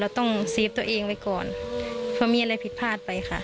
ต้องเซฟตัวเองไว้ก่อนเพราะมีอะไรผิดพลาดไปค่ะ